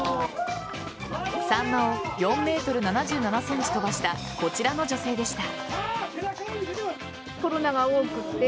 サンマを４ｍ７７ｃｍ飛ばしたこちらの女性でした。